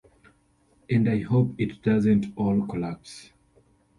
And I hope it doesn't all collapse.